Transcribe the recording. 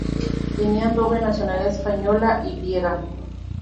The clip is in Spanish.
Tenía doble nacionalidad española y griega.